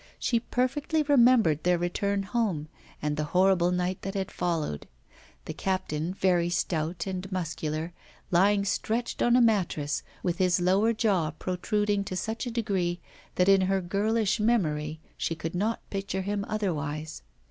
She perfectly remembered their return home and the horrible night that had followed; the captain, very stout and muscular, lying stretched on a mattress, with his lower jaw protruding to such a degree that in her girlish memory she could not picture him otherwise.